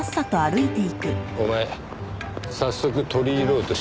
お前早速取り入ろうとしてねえか？